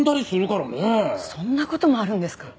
そんな事もあるんですか。